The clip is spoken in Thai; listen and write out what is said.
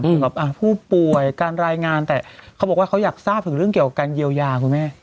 แบบอ่ะผู้ป่วยการรายงานแต่เขาบอกว่าเขาอยากทราบถึงเรื่องเกี่ยวกับการเยียวยาคุณแม่